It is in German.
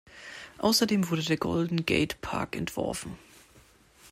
Außerdem wurde der Golden Gate Park entworfen.